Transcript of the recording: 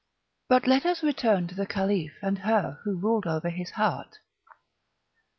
But let us return to the Caliph and her who ruled over his heart.